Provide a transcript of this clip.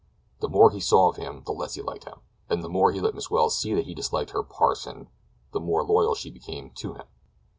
The more he saw of him the less he liked him, and the more he let Miss Welles see that he disliked her "parson," the more loyal she became to him.